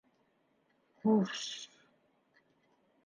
Хуш...